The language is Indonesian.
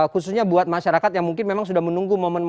khususnya buat masyarakat yang mungkin memang sudah menunggu momen momen